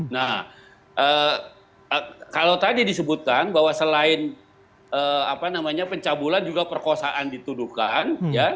nah kalau tadi disebutkan bahwa selain pencabulan juga perkosaan dituduhkan